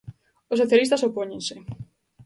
Os socialistas opóñense.